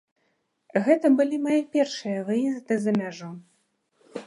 Гэта былі мае першыя выезды за мяжу.